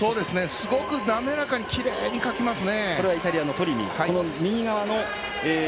すごく滑らかにきれいにかきますね。